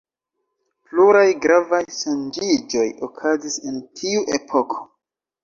Pluraj gravaj ŝanĝiĝoj okazis en tiu epoko.